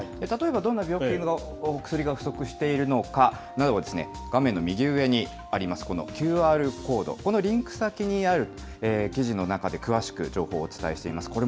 例えばどんな病気の薬が不足しているのかなどは、画面の右上にあります、このＱＲコード、このリンク先にある記事の中で、詳しく情報をお伝えしています。